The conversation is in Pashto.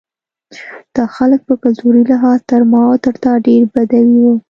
دا خلک په کلتوري لحاظ تر ما او تا ډېر بدوي وو.